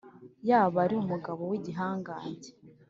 yaba ari umugabo w’igihangange